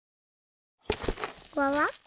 わわっ？